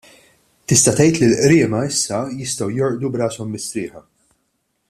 Tista' tgħid li l-Qriema issa jistgħu jorqdu b'rashom mistrieħa.